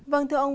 vâng thưa ông